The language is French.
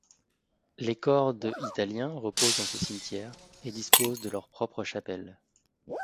Les corps de italiens reposent dans ce cimetière, et disposent de leur propre chapelle.